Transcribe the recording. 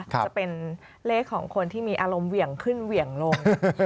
จะเป็นเลขของคนที่มีอารมณ์เหวี่ยงขึ้นเหวี่ยงลง